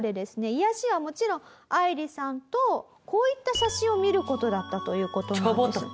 癒やしはもちろん愛理さんとこういった写真を見る事だったという事なんです。